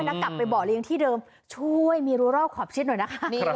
แล้วกลับไปเบาะเลี้ยงที่เดิมช่วยมีรัวรอบขอบชิดหน่อยนะคะ